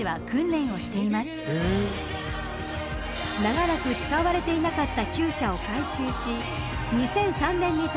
［長らく使われていなかった厩舎を改修し］